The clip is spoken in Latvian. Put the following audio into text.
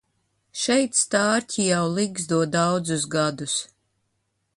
Šeit stārķi jau ligzdo daudzus gadus